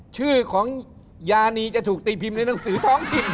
ชื่อของยานีจะถูกตีพิมพ์ในหนังสือท้องถิ่น